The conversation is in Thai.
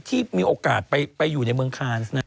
ที่มีโอกาสไปอยู่ในเมืองคาน